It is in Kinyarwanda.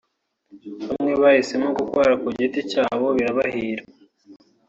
bamwe bahisemo gukora ku giti cyabo birabahira